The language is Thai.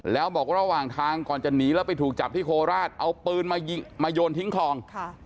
แล้วบอกว่าระหว่างทางก่อนจะหนีแล้วไปถูกจับที่โคราชเอาปืนมาโยนทิ้งคลอง